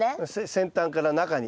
先端から中に。